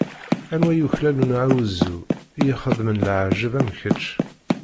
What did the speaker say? Anwa i yuklalen aɛuzzu, i ixeddmen leɛǧayeb am kečč?